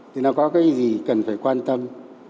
thì nó có cái gì cần phải quan tâm